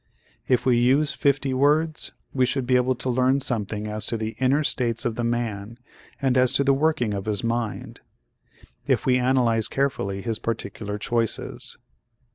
If we use fifty words, we should be able to learn something as to the inner states of the man and as to the working of his mind, if we analyze carefully his particular choices.